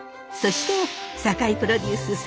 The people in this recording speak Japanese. そして酒井プロデュース